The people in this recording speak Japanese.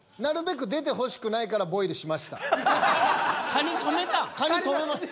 カニ止めました。